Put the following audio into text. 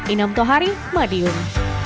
inam tohari madiun